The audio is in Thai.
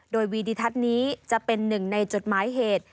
โดยวีดิทัศน์นี้จะเป็นหนึ่งในจดหมายเหตุ